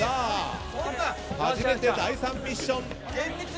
初めて第３ミッション。